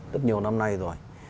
rất nhiều năm nay rồi